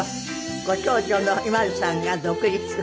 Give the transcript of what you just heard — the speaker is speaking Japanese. ご長女のＩＭＡＬＵさんが独立。